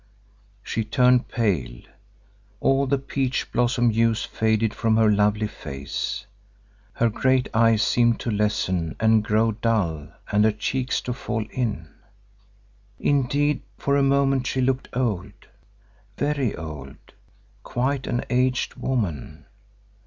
She turned pale; all the peach bloom hues faded from her lovely face, her great eyes seemed to lessen and grow dull and her cheeks to fall in. Indeed, for a moment she looked old, very old, quite an aged woman.